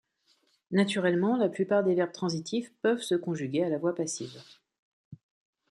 Naturellement, la plupart des verbes transitifs peuvent se conjuguer à la voix passive.